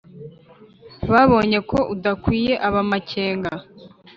Babonye ko udakwiye ab’amakenga